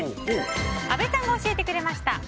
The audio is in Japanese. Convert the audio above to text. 阿部さんが教えてくれました。